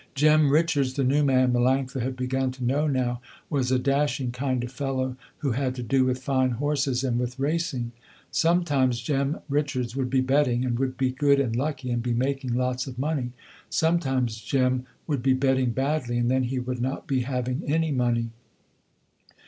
Jem Richards, the new man Melanctha had begun to know now, was a dashing kind of fellow, who had to do with fine horses and with racing. Sometimes Jem Richards would be betting and would be good and lucky, and be making lots of money. Sometimes Jem would be betting badly, and then he would not be having any money.